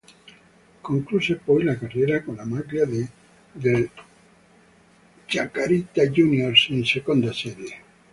Concluse poi la carriera con la maglia del Chacarita Juniors, in seconda serie.